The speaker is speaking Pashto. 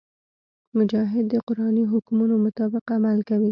مجاهد د قرآني حکمونو مطابق عمل کوي.